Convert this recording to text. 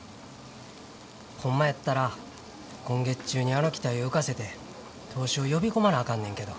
ホンマやったら今月中にあの機体を浮かせて投資を呼び込まなあかんねんけど。